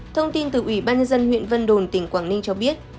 thông tin từ ủy ban nhân dân huyện vân đồn tỉnh quảng ninh cho biết